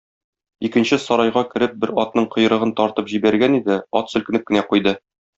Икенче сарайга кереп, бер атның койрыгын тартып җибәргән иде, ат селкенеп кенә куйды.